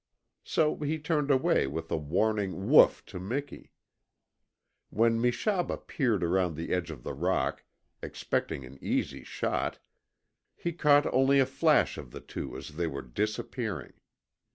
So he turned away with a warning WOOF to Miki. When Meshaba peered around the edge of the rock, expecting an easy shot, he caught only a flash of the two as they were disappearing.